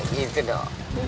aku juga mau kuliah